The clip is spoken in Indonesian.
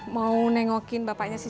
mau nengokin bapaknya si siti